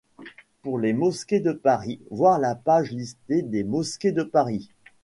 Pour les mosquées de Paris, voir la page Liste des mosquées de Paris.